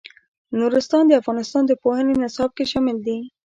نورستان د افغانستان د پوهنې نصاب کې شامل دي.